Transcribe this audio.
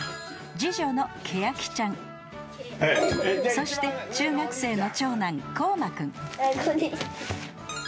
［そして中学生の］